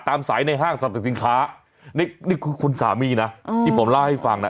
ตามสายในห้างสรรพสินค้านี่คือคุณสามีนะที่ผมเล่าให้ฟังน่ะ